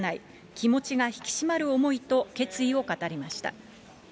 気持ちが引き締まる思いと、決意を語りました。